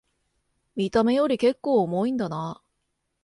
見た目よりけっこう重いんだな